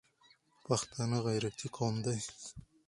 پښتانه غیرتي قوم دي